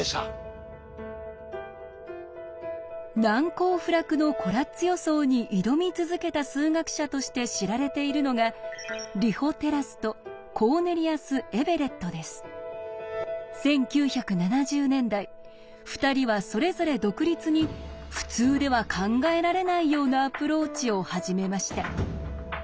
難攻不落のコラッツ予想に挑み続けた数学者として知られているのが１９７０年代２人はそれぞれ独立に普通では考えられないようなアプローチを始めました。